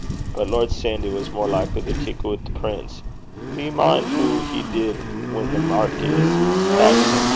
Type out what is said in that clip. but Lord Sandy was mair likly to kick oot the prince. Do ye min' hoo he did whan the Markis taxed him wi'